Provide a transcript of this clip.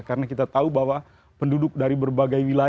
karena kita tahu bahwa penduduk dari berbagai wilayah ya